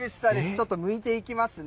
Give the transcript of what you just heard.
ちょっとむいていきますね。